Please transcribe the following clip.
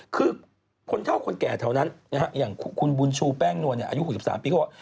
คือคนเท่าคนแก่แถวนั้นนะฮะอย่างคุณบุญชูแป้งนวลอายุ๖๓ปีเขาบอกว่า